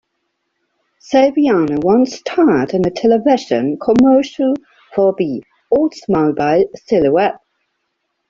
Saviano once starred in a television commercial for the Oldsmobile Silhouette.